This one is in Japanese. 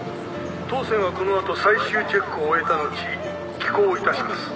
当船はこの後最終チェックを終えた後帰港いたします。